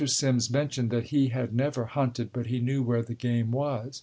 Simms mentioned that he had never hunted, but he knew where the game was.